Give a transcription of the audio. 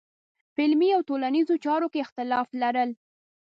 په علمي او ټولنیزو چارو کې اختلاف لرل.